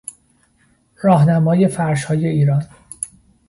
راهنمای فرشهای ایران